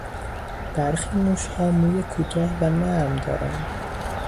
برخی موشها موی کوتاه و نرم دارند.